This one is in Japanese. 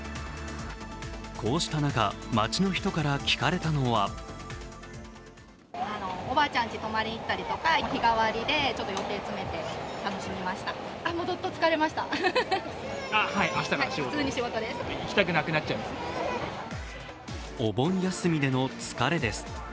こうした中、街の人から聞かれたのはお盆休みでの疲れです。